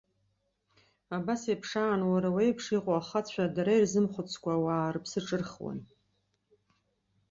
Абасеиԥш аан, уара уеиԥш иҟоу ахацәа, дара ирзымхәыцкәа ауаа рыԥсы ҿырхуан.